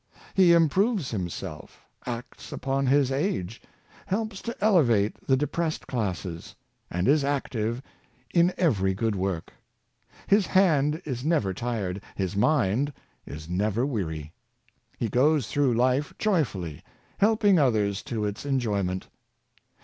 He improves himself, acts upon his age, helps to elevate the depressed classes, and is active in every good work. His hand is never tired, his mind is never weary. He goes through life joyfully, helping others to its enjoy ment.